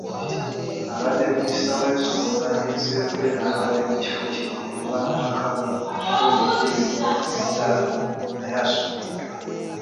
Abadde Minisita w’ensonga ezeebweru, abadde mu kifo kino okuva mu mwaka gwa nkumibbiri mu etaano naye asuuliddwa.